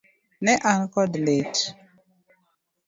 Ne an kod lit.